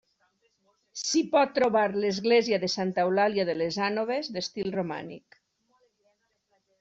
S'hi pot trobar l'església de Santa Eulàlia de les Anoves, d'estil romànic.